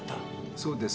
そうですよ。